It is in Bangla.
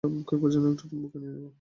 কয়েকরাতের জন্য একটা রুম বুক করে নিবো।